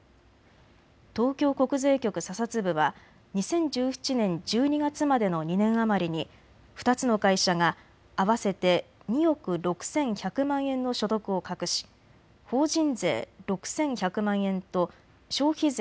東京国税局査察部は２０１７年１２月までの２年余りに２つの会社が合わせて２億６１００万円の所得を隠し法人税６１００万円と消費税